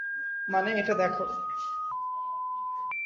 মানে, এটা দেখো!